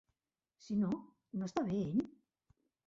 Si no, no està bé ell?